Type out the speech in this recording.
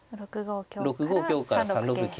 ６五香から３六桂。